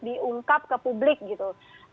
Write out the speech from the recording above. diungkap ke publik gitu